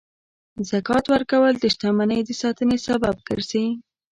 زکات ورکول د شتمنۍ د ساتنې سبب ګرځي.